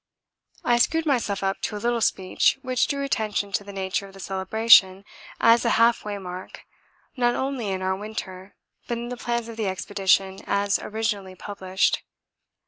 I screwed myself up to a little speech which drew attention to the nature of the celebration as a half way mark not only in our winter but in the plans of the Expedition as originally published.